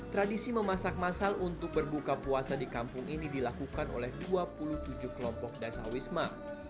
tradisi memasak masal untuk berbuka puasa di kampung ini dilakukan oleh dua puluh tujuh kelompok dasar wisma